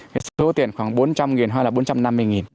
cái số tiền khoảng bốn trăm linh hay là bốn trăm năm mươi